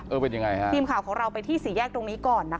เป็นยังไงฮะทีมข่าวของเราไปที่สี่แยกตรงนี้ก่อนนะคะ